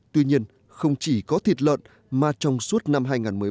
tuy nhiên không chỉ có thịt lợn mà trong suốt năm hai nghìn một mươi bảy